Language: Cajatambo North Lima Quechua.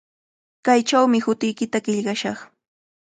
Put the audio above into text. Kaychawmi hutiykita qillqashaq.